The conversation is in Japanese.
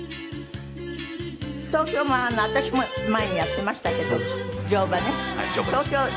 東京も私も前にやってましたけど。